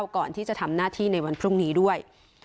ก่อนที่จะทำหน้าที่ในวันพรุ่งนี้ด้วย